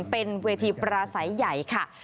เป็นเวทีปราศัยใหญ่ค่ะ